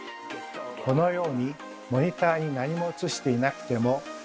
このようにモニターに何も映していなくても。